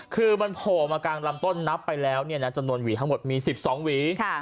คือมันโผล่มากลางลำต้นนับไปแล้วจำนวนหวีทั้งหมดมี๑๒หวี